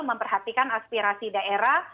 memperhatikan aspirasi daerah